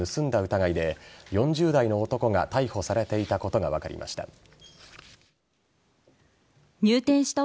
疑いで４０代の男が逮捕されていたことが分かりました。